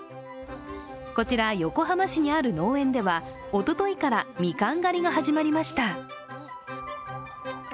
こちら、横浜市にある農園では、おとといからみかん狩りが始まりました。